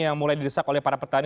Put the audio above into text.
yang mulai didesak oleh para petani